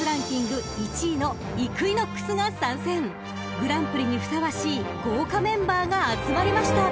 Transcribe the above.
［グランプリにふさわしい豪華メンバーが集まりました］